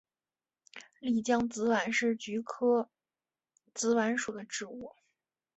丽江紫菀是菊科紫菀属的植物。